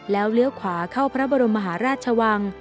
แล้วเลี้ยวขวาเข้าพระบรมมหาราชวัง